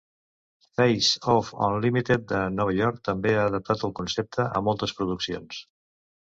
Face Off Unlimited de Nova York també ha adaptat el concepte a moltes produccions.